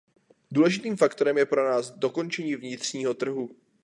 Důležitým faktorem je pro nás dokončení vnitřního trhu.